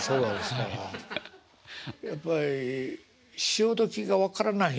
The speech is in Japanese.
やっぱり潮時が分からない